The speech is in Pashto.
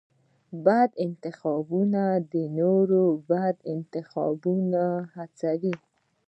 بد انتخابونه نور بد انتخابونه هڅوي.